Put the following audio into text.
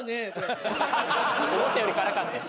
思ったより辛かった。